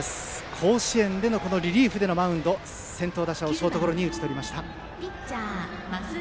甲子園でのリリーフでのマウンド先頭打者をショートゴロに打ち取りました。